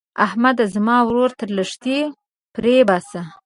احمده؛ زما ورور تر لښتي پورې باسه.